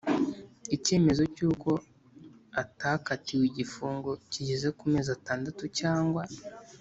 icyemezo cy’uko atakatiwe igifungo kigeze ku mezi atandatu cyangwa